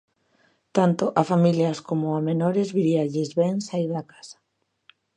Tanto a familias como a menores viríalles ben saír da casa.